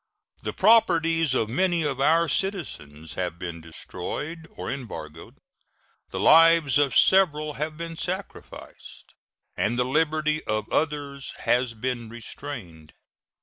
The properties of many of our citizens have been destroyed or embargoed, the lives of several have been sacrificed, and the liberty of others has been restrained.